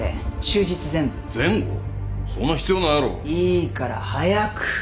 いいから早く。